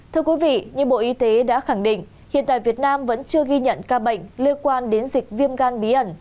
thưa quý vị như bộ y tế đã khẳng định hiện tại việt nam vẫn chưa ghi nhận ca bệnh liên quan đến dịch viêm gan bí ẩn